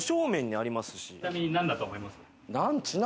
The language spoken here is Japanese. ちなみに何だと思いますか？